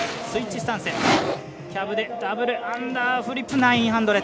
スイッチスタンス、キャブでダブルアンダーフリップ９００。